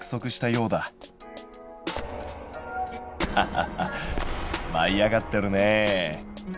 ハハハッまい上がってるねえ。